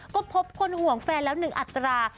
ก็พบคนห่วงแฟนแล้ว๑อัตรา